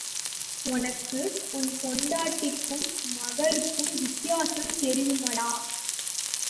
ஒனக்கு ஒன் பொண்டாட்டிக்கும், மகளுக்கும் வித்தியாசம் தெரியுமாடா?